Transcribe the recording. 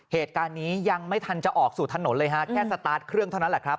เหตุการณ์นี้ยังไม่ทันจะออกสู่ถนนเลยฮะแค่สตาร์ทเครื่องเท่านั้นแหละครับ